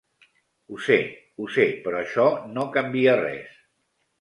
Ho sé, ho sé, però això no canvia res.